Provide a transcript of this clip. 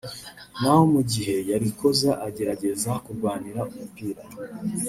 naho mu gihe yarikoze ageragezaga kurwanira umupira